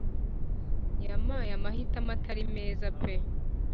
Yamaye amahitamo Atari meza pe